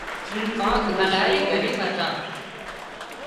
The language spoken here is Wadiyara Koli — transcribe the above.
ڪانڪ الاهي ڳريٻ هتان